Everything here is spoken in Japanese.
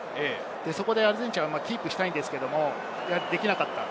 そこでアルゼンチンはキープしたいんですけれどもできなかった。